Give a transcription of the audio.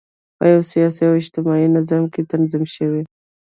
په یوه سیاسي او اجتماعي نظام کې تنظیم شوي.